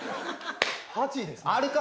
「８位ですね」